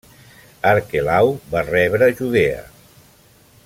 Arquelau va rebre Judea.